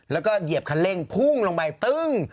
แล้วก็เหยียบคันเร่งพุ่งลงไปตึ้ง